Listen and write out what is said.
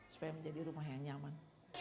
supaya menjadi rumah yang nyaman